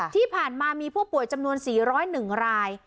ที่ผ่านมามีผู้ป่วยจำนวน๔๐๑ราย